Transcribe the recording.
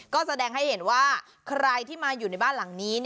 ก็แสดงให้เห็นว่าใครที่มาอยู่ในบ้านหลังนี้